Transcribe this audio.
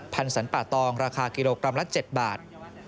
สรรป่าตองราคากิโลกรัมละ๗บาท